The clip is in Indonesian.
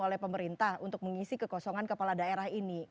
oleh pemerintah untuk mengisi kekosongan kepala daerah ini